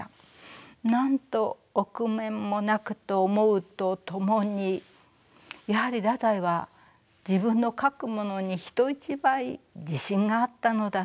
なんと臆面もなくと思うとともにやはり太宰は自分の書くものに人一倍自信があったのだと思いました。